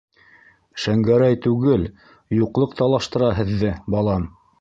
Шәңгәрәй түгел, юҡлыҡ талаштыра һеҙҙе, балам!